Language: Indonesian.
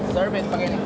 serba tuh pake ini